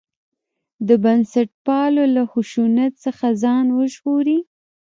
د بنسټپالو له خشونت څخه ځان وژغوري.